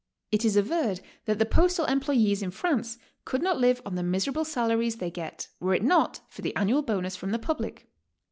It is averred that the postal employes in France could not live on the miserable salaries they get were it not for the annual bonus from the public.